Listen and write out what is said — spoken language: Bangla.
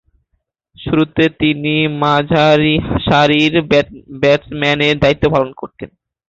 শুরুতে তিনি মাঝারিসারির ব্যাটসম্যানের দায়িত্ব পালন করতেন।